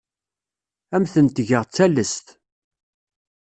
Ad am-tent-geɣ d tallest.